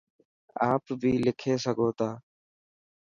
آپ بي لکي سڳو تا.